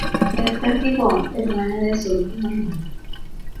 Hester Gibbon, hermana de su último alumno.